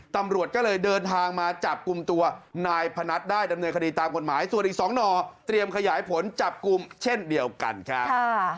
ตำรวจก็เลยเดินทางมาจับกลุ่มตัวนายพนัทได้ดำเนินคดีตามกฎหมายส่วนอีกสองหน่อเตรียมขยายผลจับกลุ่มเช่นเดียวกันครับ